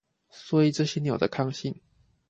所以這些鳥的抗性